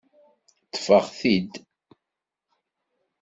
Ṭṭfeɣ-t-id!